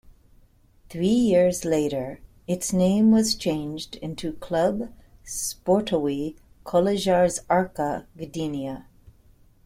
Three years later, its name was changed into "Klub Sportowy Kolejarz-Arka Gdynia".